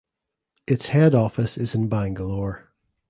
Its head office is in Bangalore.